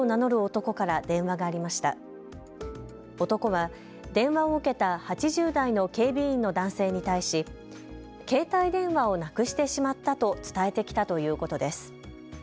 男は電話を受けた８０代の警備員の男性に対し携帯電話をなくしてしまったと伝えてきたということです。